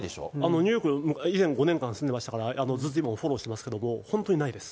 ニューヨークに以前、５年間住んでましたから、今もフォローしてますけれども、本当にないです。